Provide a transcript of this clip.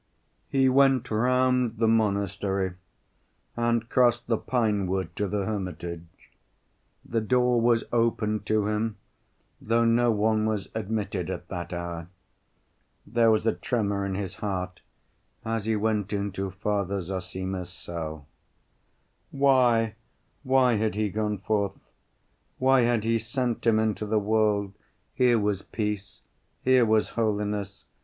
He went round the monastery, and crossed the pine‐wood to the hermitage. The door was opened to him, though no one was admitted at that hour. There was a tremor in his heart as he went into Father Zossima's cell. "Why, why, had he gone forth? Why had he sent him into the world? Here was peace. Here was holiness.